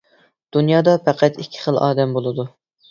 دۇنيادا پەقەت ئىككى خىل ئادەم بولىدۇ!